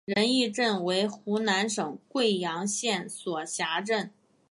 仁义镇为湖南省桂阳县所辖镇。